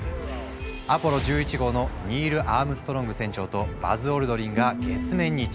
アポロ１１号のニール・アームストロング船長とバズ・オルドリンが月面に着陸。